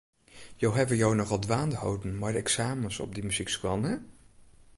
Jo hawwe jo nochal dwaande holden mei de eksamens op dy muzykskoallen, hin.